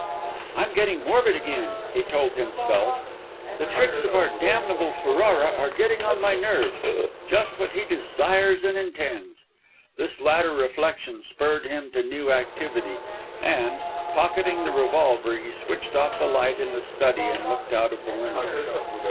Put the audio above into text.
"I'm getting morbid again," he told himself; "the tricks of our damnable Ferrara are getting on my nerves. Just what he desires and intends!" This latter reflection spurred him to new activity; and, pocketing the revolver, he switched off the light in the study and looked out of the window.